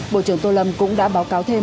bộ trưởng tô lâm cũng đã báo cáo thêm